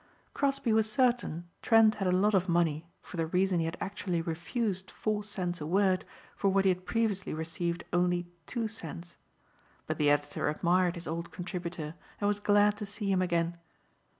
Crosbeigh was certain Trent had a lot of money for the reason he had actually refused four cents a word for what he had previously received only two cents. But the editor admired his old contributor and was glad to see him again.